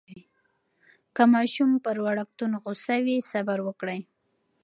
که ماشوم پر وړکتون غوصه وي، صبر وکړئ.